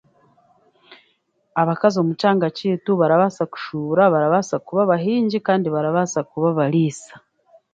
Abakazi omu kyanga kyaitu barabaasa kushuubura, barabaasa kuba abahaingi kandi barabaasa kuba abariisa